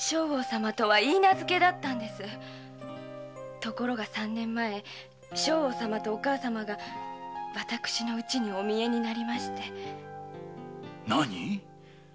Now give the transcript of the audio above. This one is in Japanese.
ところが三年前将翁様と母上が私の家にお見えになりまして。